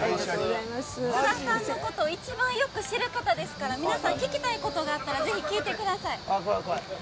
津田さんのことを一番よく知る方ですから皆さん聞きたいことがあったらぜひ聞いてください。